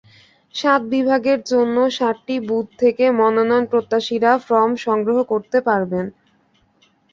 সাত বিভাগের জন্য সাতটি বুথ থেকে মনোনয়নপ্রত্যাশীরা ফরম সংগ্রহ করতে পারবেন।